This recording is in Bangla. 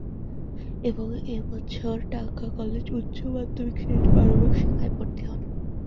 এবং এ বছরই ঢাকা কলেজে উচ্চ মাধ্যমিক শ্রেণিতে মানবিক শাখায় ভর্তি হন।